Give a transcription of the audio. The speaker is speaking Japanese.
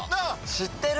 知ってる！